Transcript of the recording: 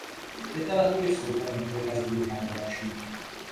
Do literatury vstoupil několika sbírkami veršů.